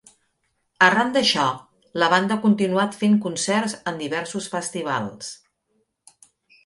Arran d'això, la banda ha continuat fent concerts en diversos festivals.